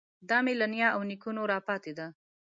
دا مې له نیا او نیکونو راپاتې دی.